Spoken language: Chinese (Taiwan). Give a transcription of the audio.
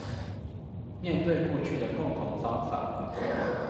面對過去的共同方法